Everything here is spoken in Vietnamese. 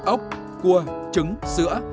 ốc cua trứng sữa